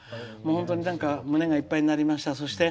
本当になんか胸がいっぱいになりました。